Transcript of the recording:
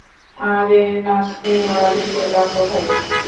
আরে নাচনি-ওয়ালীকে ডাকো ভাই।